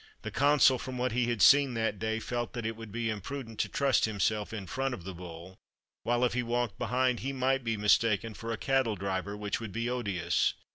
The Consul, from what he had seen that day, felt that it would be imprudent to trust himself in front of the bull, while, if he walked behind, he might be mistaken for a cattle driver, which would be odious.